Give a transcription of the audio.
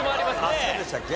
あっそうでしたっけ？